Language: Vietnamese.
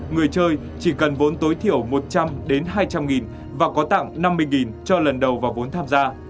người chơi chỉ cần vốn tối thiểu một trăm linh hai trăm linh và có tặng năm mươi cho lần đầu vào vốn tham gia